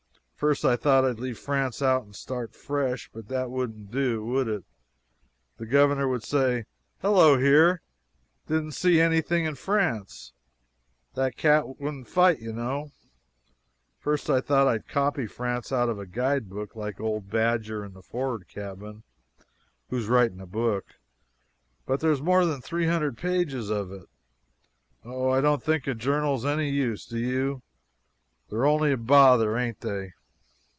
First I thought I'd leave France out and start fresh. But that wouldn't do, would it? The governor would say, 'Hello, here didn't see anything in France? That cat wouldn't fight, you know. First I thought I'd copy France out of the guide book, like old Badger in the for'rard cabin, who's writing a book, but there's more than three hundred pages of it. Oh, I don't think a journal's any use do you? They're only a bother, ain't they?"